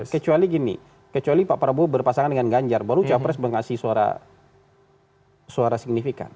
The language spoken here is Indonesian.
kecuali gini kecuali pak prabowo berpasangan dengan ganjar baru capres mengasih suara signifikan